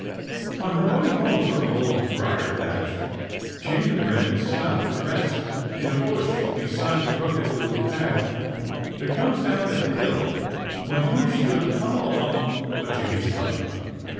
On her way home from the Old Briar patch, Jenny Wren stopped to rest in a bush beside the Crooked Little Path that comes down the hill, when who should come along but Jimmy Skunk.